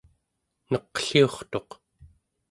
neqliurtuq